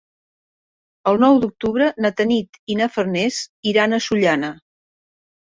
El nou d'octubre na Tanit i na Farners iran a Sollana.